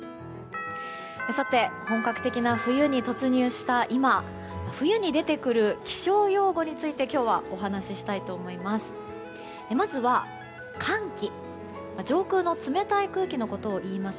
本格的な冬に突入した今冬に出てくる気象用語について今日はお話したいと思います。